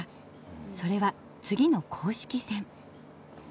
それは次の公式戦。